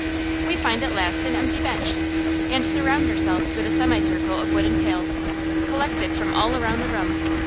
We find at last an empty bench, and surround ourselves with a semicircle of wooden pails, collected from all around the room.